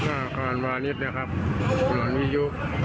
อาคารวานิสถนนวิทยุ